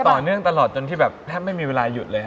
ต่อเนื่องตลอดจนที่แบบแทบไม่มีเวลาหยุดเลยฮ